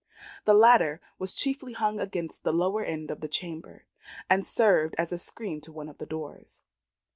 The latter was chiefly hung against the lower end of the chamber, and served as a screen to one of the doors.